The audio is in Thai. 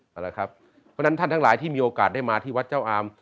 เพราะฉะนั้นท่านทั้งหลายที่มีโอกาสได้มาที่วัดเจ้าอาม